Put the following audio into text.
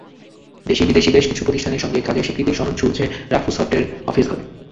দেশি-বিদেশি বেশ কিছু প্রতিষ্ঠানের সঙ্গে কাজের স্বীকৃতির সনদ ঝুলছে রাফুসফটের অফিসঘরে।